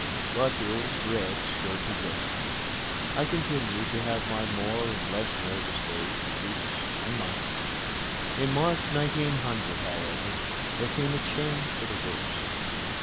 But the old dread still possessed me. I continued to have my more and less nervous days, weeks, and months. In March, 1900, however, there came a change for the worse.